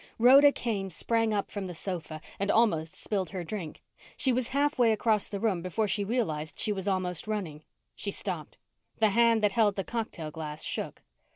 Rhoda Kane sprang up from the sofa and almost spilled her drink. She was halfway across the room before she realized she was almost running. She stopped. The hand that held the cocktail glass shook.